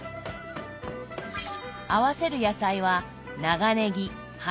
合わせる野菜は長ねぎ葉